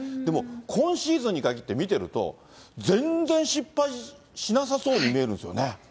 でも、今シーズンにかぎって見てると、全然失敗しなさそうに見えるんですよね。